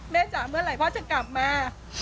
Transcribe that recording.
จ๋าเมื่อไหร่พ่อจะกลับมา